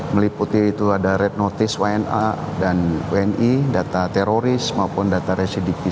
meliputi itu ada red notice wna dan wni data teroris maupun data residip